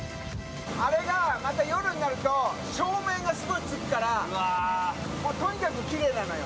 あれがまた夜になると、照明がすごいつくから、もうとにかくきれいなのよ。